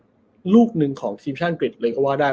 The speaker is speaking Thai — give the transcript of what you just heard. แล้วเป็นลูกของทิมชั่นเกรดเลยว่าได้